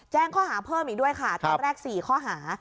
แจ้งข้อหาเพิ่มอีกด้วยค่ะตอนแรก๔ข้อหา